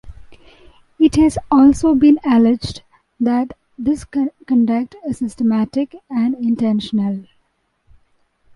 It has also been alleged that this conduct is systematic and intentional.